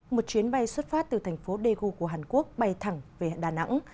một chuyến bay xuất phát từ thành phố daegu của hàn quốc bay thẳng về đà nẵng